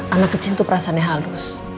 anak kecil tuh perasannya halus